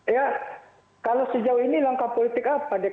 ya kalau sejauh ini langkah politik apa deklarasi sejauh ini